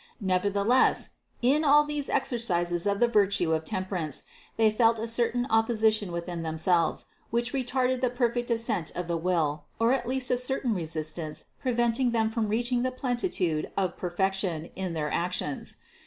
Nevertheless in all these exercises of the virtue of temperance they felt a certain opposition within themselves, which retarded the perfect assent of the will, or at least a certain resistance prevent ing them from reaching the plenitude of perfection in their actions.